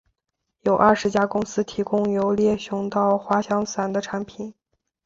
有二十家公司提供由猎熊到滑翔伞的产品。